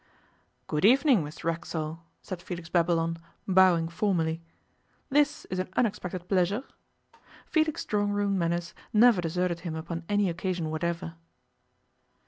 'Good evening, Miss Racksole,' said Felix Babylon, bowing formally. 'This is an unexpected pleasure.' Felix's drawing room manners never deserted him upon any occasion whatever.